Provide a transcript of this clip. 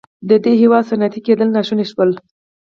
د دې هېواد صنعتي کېدل ناشون شول.